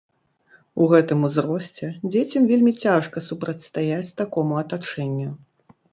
У гэтым узросце дзецям вельмі цяжка супрацьстаяць такому атачэнню.